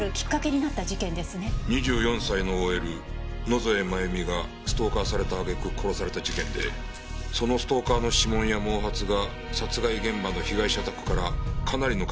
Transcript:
２４歳のＯＬ野添真由美がストーカーされた揚げ句殺された事件でそのストーカーの指紋や毛髪が殺害現場の被害者宅からかなりの数見つかっています。